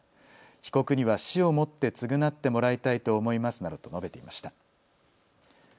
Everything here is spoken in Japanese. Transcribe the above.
被告には死をもって償ってもらいたいと思いますなどと述べていました。